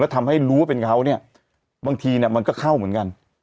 ทำให้รู้ว่าเป็นเขาเนี่ยบางทีเนี่ยมันก็เข้าเหมือนกัน